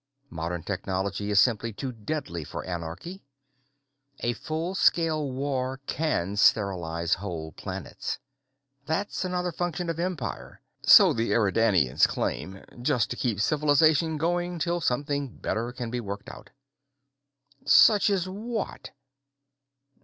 Modern technology is simply too deadly for anarchy. A full scale war can sterilize whole planets. That's another function of empire, so the Eridanians claim just to keep civilization going till something better can be worked out." "Such as what?"